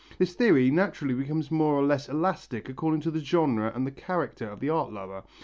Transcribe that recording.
This theory naturally becomes more or less elastic according to the genre and the character of the art lover.